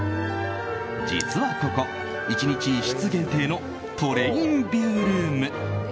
実はここ、１日１室限定のトレインビュールーム。